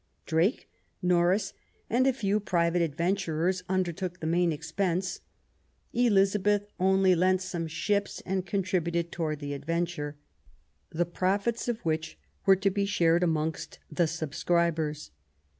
Drake, Norris, and a few private adventurers undertook the main expense ; Elizabeth only lent some ships, and contributed towards the adventure, the profits of which were to be shared amongst the subscribers.